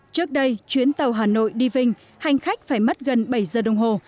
trước đây chuyến tàu hà nội đi vinh hành khách phải mất gần bảy giờ đồng hồ